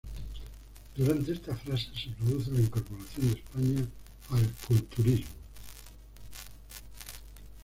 Durante esta fase se produce la incorporación de España al culturismo.